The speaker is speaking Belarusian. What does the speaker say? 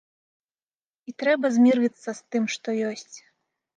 І трэба змірыцца з тым, што ёсць.